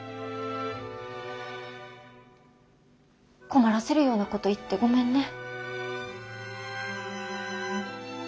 困らせるようなこと言ってごめんね。